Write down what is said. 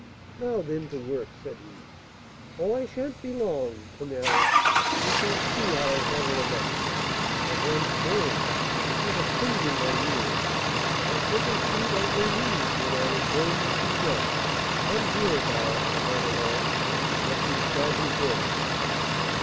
"Now, then, to work!" said he. "Oh, I sha'n't be long. Tonnerre! you shall see how I handle a knife! My hands burn, and I have a singing in my ears; my temples beat, as they used when I was going to 'see red.' Come here, thou Ah, Madelon! let me stab you dead!"